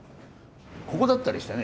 ここだったりしてね。